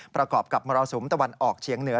ประกอบกับมรสุมตะวันออกเฉียงเหนือ